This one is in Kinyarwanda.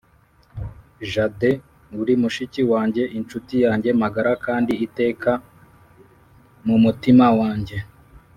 jade uri mushiki wanjye, inshuti yanjye magara kandi iteka mumutima wanjye